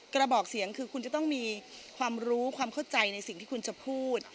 กระบอกเสียงคือคุณจะต้องมีความรู้ความเข้าใจในสิ่งที่คุณจะพูด